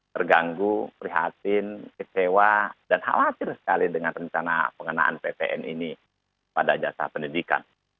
terganggu prihatin kecewa dan khawatir sekali dengan rencana pengenaan ppn ini pada jasa pendidikan